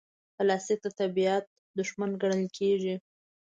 پلاستيک د طبیعت دښمن ګڼل کېږي.